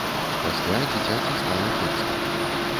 Пасля дзіцяці стала кепска.